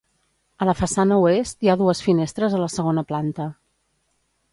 A la façana oest, hi ha dues finestres a la segona planta.